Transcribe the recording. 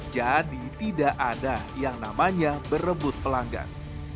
jadi tidak ada yang namanya berebut pelanggan